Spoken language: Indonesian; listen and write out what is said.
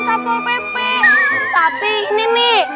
satu pp tapi ini